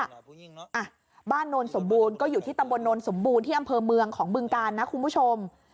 อ่ะบ้านโนนสมบูรณ์ก็อยู่ที่ตำบลโนนสมบูรณ์ที่อำเภอเมืองของบึงกาลนะคุณผู้ชม